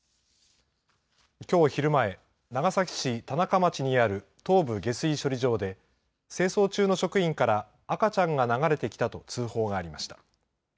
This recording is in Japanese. きょう昼前長崎市田中町にある東部下水処理場で清掃中の職員から赤ちゃんが流れてきたと通報がありました。